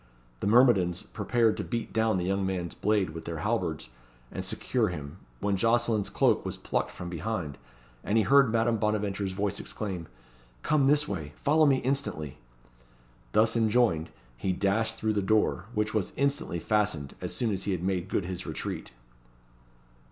The myrmidons prepared to beat down the young man's blade with their halberds, and secure him, when Jocelyn's cloak was plucked from behind, and he heard Madame Bonaventure's voice exclaim "Come this way! follow me instantly!" Thus enjoined, he dashed through the door, which was instantly fastened, as soon as he had made good his retreat.